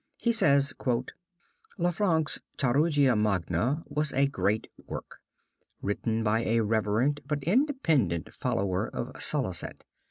He says: "Lanfranc's 'Chirurgia Magna' was a great work, written by a reverent but independent follower of Salicet.